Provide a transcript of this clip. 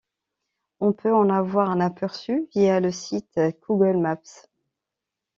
On peut en avoir un aperçu via le site Google Maps.